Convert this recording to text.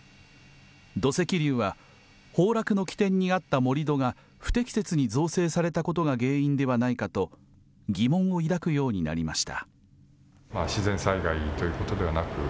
土石流は、崩落の起点にあった盛り土が、不適切に造成されたことが原因ではないかと、疑問を抱くようになりました。